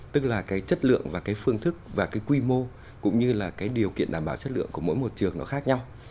tức là cái chất lượng và cái phương thức và cái quy mô cũng như là cái điều kiện đảm bảo chất lượng của mỗi một trường nó khác nhau